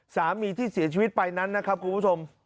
สามีที่เสียชีวิตไปนั้นนะครับคุณผู้ชม